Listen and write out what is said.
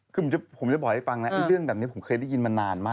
คือผมจะบอกให้ฟังนะเรื่องแบบนี้ผมเคยได้ยินมานานมาก